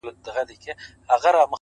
• د ژوندون ساه او مسيحا وړي څوك،